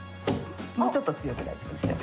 もうちょっと強く大丈夫ですよ。